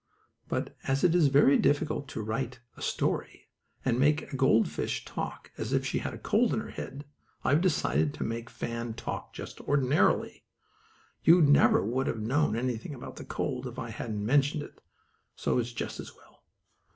But as it is very difficult to write a story and make a gold fish talk as if she had a cold in the head, I have decided to make Fan talk just ordinarily. You never would have known anything about the cold if I hadn't mentioned it, so it's just as well.